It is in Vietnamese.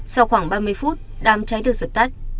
sau khoảng ba mươi phút đám cháy được dập tắt